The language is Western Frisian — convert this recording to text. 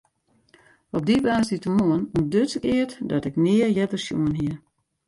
Op dy woansdeitemoarn ûntduts ik eat dat ik nea earder sjoen hie.